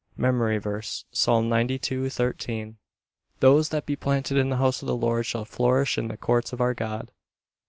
MEMORY VERSE, Psalm 92: 13 "Those that be planted in the house of the Lord shall flourish in the courts of our God."